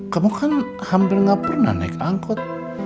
kamu kan hampir nggak pernah naik angkot